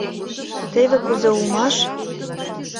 — Теве кузе улмаш!..